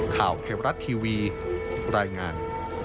ข่าวเทวรัฐทีวีรายงาน